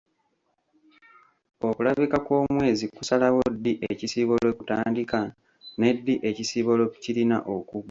Okulabika kw’omwezi kusalawo ddi ekisiibo lwe kitandika ne ddi ekisiibo lwe kirina okuggwa.